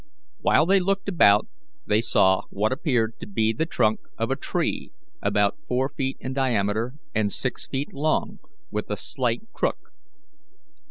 While they looked about they saw what appeared to be the trunk of a tree about four feet in diameter and six feet long, with a slight crook.